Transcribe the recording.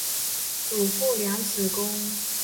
祖父梁子恭。